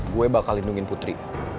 gue bakal lindungin putri